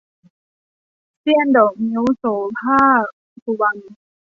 เสี้ยนดอกงิ้ว - โสภาค สุวรรณ